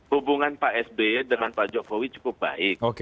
hubungan pak sby dengan pak jokowi cukup baik